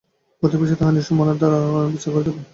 প্রত্যেক বিষয়ই তাহার নিজস্ব মানের দ্বারা বিচার করিতে হইবে।